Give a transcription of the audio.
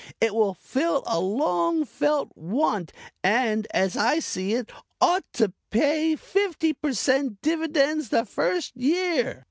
It will fill a long felt want, and, as I see it, ought to pay fifty percent dividends the first year.